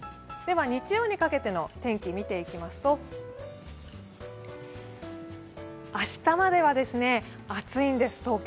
日曜にかけての天気を見ていきますと、明日までは暑いんです、東京。